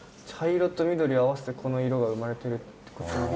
茶色と緑合わせてこの色が生まれてるってこと。